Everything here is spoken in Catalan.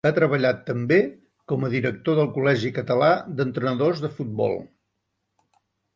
Ha treballat també com a director del col·legi català d'entrenadors de futbol.